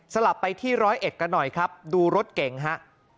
ลับไปที่ร้อยเอ็ดกันหน่อยครับดูรถเก่งฮะ